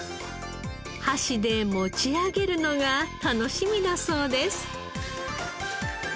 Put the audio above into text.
はしで持ち上げるのが楽しみだそうです。